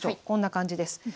こんな感じです。